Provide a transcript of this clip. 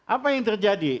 apa yang terjadi